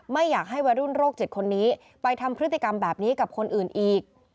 ไม่อยากให้วัยรุ่นโรค๗คนนี้ไปทำพฤติกรรมแบบนี้กับคนอื่นอีก